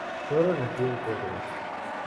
Flora nació en Córdoba.